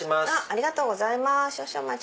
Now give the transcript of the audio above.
ありがとうございます。